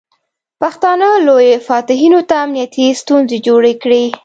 پښتانه لویو فاتحینو ته امنیتي ستونزې جوړې کړې.